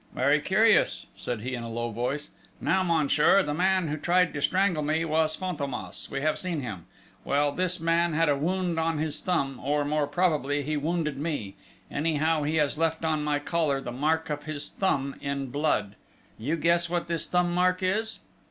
"Very curious!" said he, in a low voice...: "Now, monsieur, the man who tried to strangle me was Fantômas we have seen him.... Well, this man had a wound on his thumb, or, more probably, he wounded me, anyhow he has left on my collar the mark of his thumb in blood you guess what this thumb mark is?"